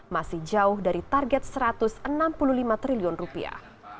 masih jauh dari target satu ratus enam puluh lima triliun rupiah